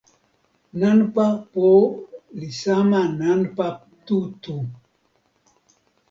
nanpa po li sama nanpa tu tu.